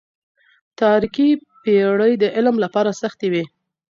تاريکي پېړۍ د علم لپاره سختې وې.